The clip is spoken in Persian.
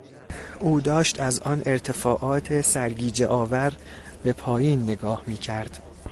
او داشت از آن ارتفاعات سرگیجهآور به پایین نگاه میکرد.